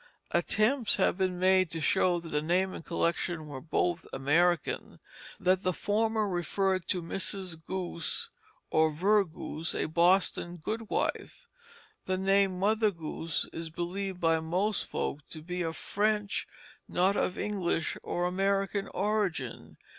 Attempts have been made to show that the name and collection were both American; that the former referred to one Mrs. Goose or Vergoose, a Boston goodwife. The name Mother Goose is believed by most folk to be of French, not of English or American origin.